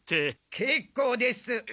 けっこうです！